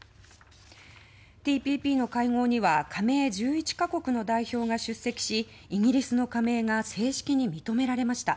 ＴＰＰの会合には加盟１１か国の代表が出席しイギリスの加盟が正式に認められました。